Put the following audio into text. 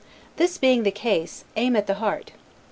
This being the case, aim at the heart.